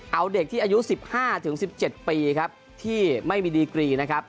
เอาเด็กที่อายุสิบห้าถึงสิบเจ็ดปีครับที่ไม่มีดีกรีนะครับ